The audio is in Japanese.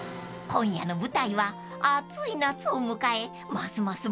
［今夜の舞台は暑い夏を迎えますます